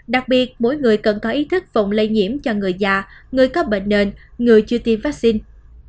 đặc biệt mỗi người cần có ý thức phòng lây nhiễm cho người già người có bệnh nền người chưa tiêm vaccine